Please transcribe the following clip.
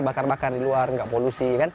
bakar bakar di luar nggak polusi kan